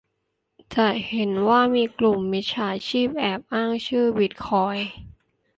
จะเห็นว่ามีกลุ่มมิจฉาชีพแอบอ้างชื่อบิตคอยน์